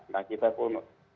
nah kita pun